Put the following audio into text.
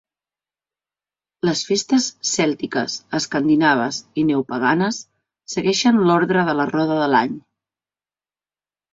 Les festes cèltiques, escandinaves i neopaganes segueixen l'ordre de la roda de l'any.